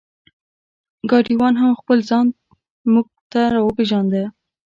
ګاډیوان هم خپل ځان مونږ ته را وپېژنده.